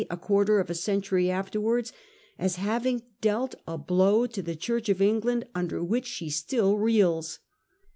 a quarter of a century afterwards as having 1 dealt a How to the Church of England under which she still reels.